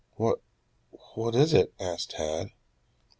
"What, what is it?" asked Tad.